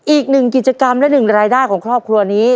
อีก๑กิจกรรมและ๑รายราคาของครอบครัวนี้